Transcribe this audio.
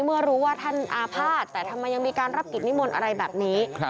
เมื่อรู้ว่าท่านอาภาษณ์แต่ทำไมยังมีการรับกิจนิมนต์อะไรแบบนี้